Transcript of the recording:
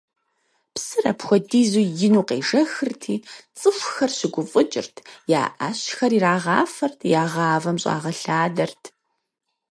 Псыр апхуэдизу ину къежэхырти, цӀыхухэр щыгуфӀыкӀырт: я Ӏэщхэр ирагъафэрт, я гъавэм щӀагъэлъадэрт.